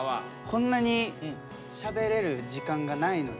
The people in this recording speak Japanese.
こんなにしゃべれる時間がないので。